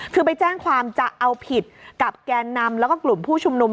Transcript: คือไปแจ้งความจะเอาผิดกับแกนนำแล้วก็กลุ่มผู้ชุมนุม